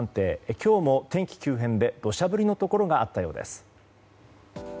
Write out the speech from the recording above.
今日も天気急変で土砂降りのところがあったようです。